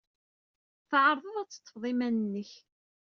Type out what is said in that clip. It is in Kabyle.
Tɛerḍeḍ ad teḍḍfeḍ iman-nnek.